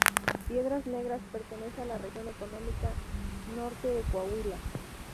Piedras Negras pertenece a la región económica Norte de Coahuila.